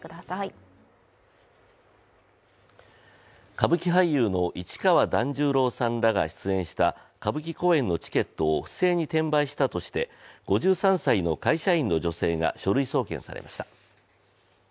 歌舞伎俳優の市川團十郎さんらが出演した歌舞伎公演のチケットを不正に転売したとして５３歳の会社員の女性が書類送検されました。